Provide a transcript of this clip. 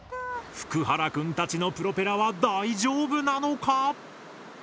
フクハラくんたちのプロペラは大丈夫なのか？